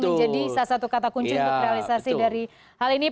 menjadi salah satu kata kunci untuk realisasi dari hal ini